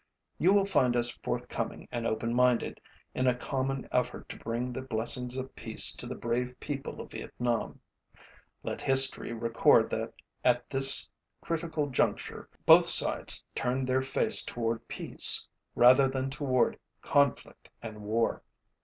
You will find us forthcoming and open minded in a common effort to bring the blessings of peace to the brave people of Vietnam. Let history record that at this critical juncture both sides turned their face toward peace rather than toward conflict and war.